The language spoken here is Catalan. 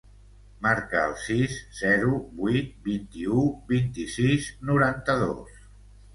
Marca el sis, zero, vuit, vint-i-u, vint-i-sis, noranta-dos.